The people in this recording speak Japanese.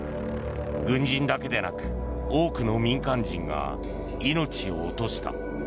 軍人だけでなく多くの民間人が命を落とした。